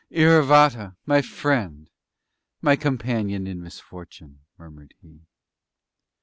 "Iravata! my friend, my companion in misfortune!" murmured he.